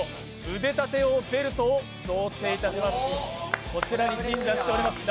腕立て王ベルトを贈呈いたします。